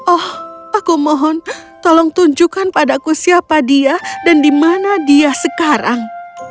oh aku mohon tolong tunjukkan padaku siapa dia dan di mana dia sekarang